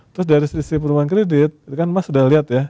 terus dari sisi perubahan kredit itu kan mas sudah lihat ya